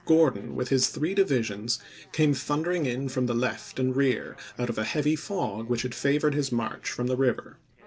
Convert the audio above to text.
Gordon, with his three divisions, came thundering in from the left and rear, out of a heavy fog which Oct. 19, 1864. had favored his march from the river.